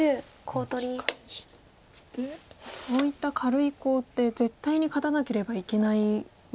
こういった軽いコウって絶対に勝たなければいけないわけではない。